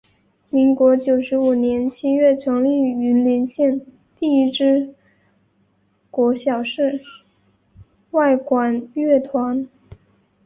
民国九十五年七月成立云林县第一支国小室外管乐团。